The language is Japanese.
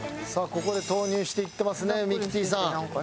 ここで投入していってますねミキティさん。